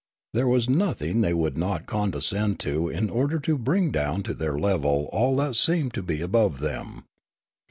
There was nothing they would not condescend to in order to bring down to their level all that seemed to be above them.